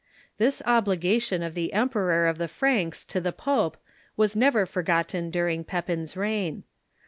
This obligation of the Emperor of the Franks to the pope was never forgotten during Pepin's reign.